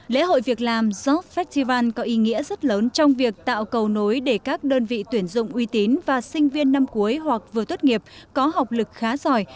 lễ hội việc làm job festival có ý nghĩa rất lớn trong việc tạo cầu nối để các đơn vị tuyển dụng uy tín và sinh viên năm cuối hoặc vừa tốt nghiệp có học lực khá giỏi